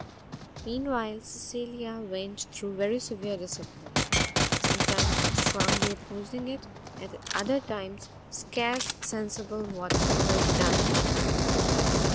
Mean while Cecilia went through very severe discipline, sometimes strongly opposing it, at other times scarce sensible what was done to her.